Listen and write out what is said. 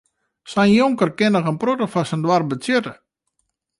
Sa'n jonker kin noch in protte foar sa'n doarp betsjutte.